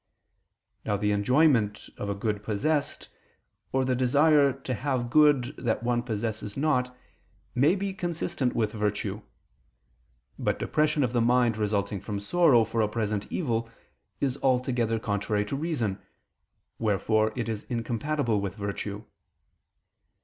Now the enjoyment of a good possessed, or the desire to have good that one possesses not, may be consistent with virtue: but depression of the mind resulting from sorrow for a present evil, is altogether contrary to reason: wherefore it is incompatible with virtue.